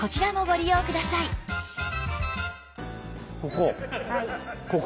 ここ？